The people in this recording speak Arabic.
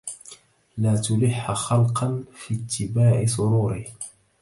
لا تلح خلقا في اتباع سروره